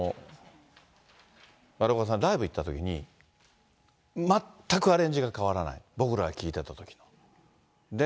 丸岡さん、ライブ行ったときに、全くアレンジが変わらない、僕らが聴いたときと。